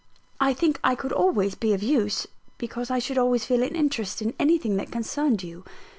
I think I could always be of use, because I should always feel an interest in anything that concerned you.